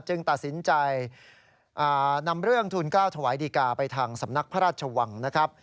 ตัดสินใจนำเรื่องทุนกล้าวถวายดีกาไปทางสำนักพระราชวังนะครับ